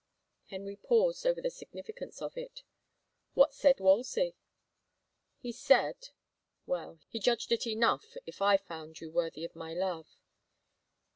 Henry paused over the significance of it. "What said Wolsey?" " He said — well, he judged it enough if I found you worthy of my love."